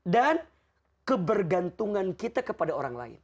dan kebergantungan kita kepada orang lain